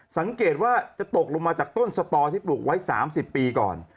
สังเกตว่าจะตกลงมาจากต้นสตอที่ปลูกไว้๓๐ปีก่อน